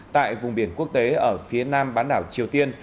tại vùng biển quốc tế ở phía nam bán đảo triều tiên